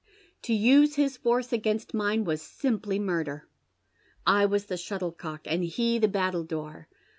To use his force against mine was simply murder. I was the shuttlecock, and he the battledore.